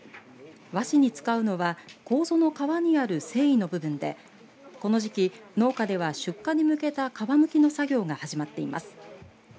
和紙に使うのはこうぞの皮にある繊維の部分で、この時期農家では出荷に向けた皮むきの作業が始まっています。